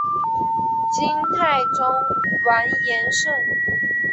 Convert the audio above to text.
金太宗完颜晟。